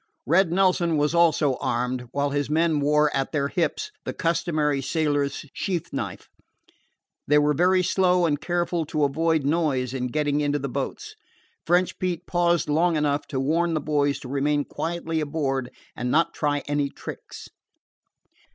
Red Nelson was also armed, while his men wore at their hips the customary sailor's sheath knife. They were very slow and careful to avoid noise in getting into the boats, French Pete pausing long enough to warn the boys to remain quietly aboard and not try any tricks.